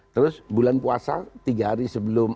terus bulan puasa tiga hari sebelum